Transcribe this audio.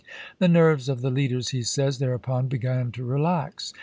" The nerves of the leaders," he says, " thereupon began to relax."